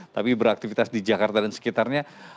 tapi beraktivitas di jakarta dan sekitarnya